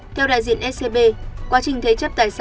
theo đại diện scb quá trình thế chấp tài sản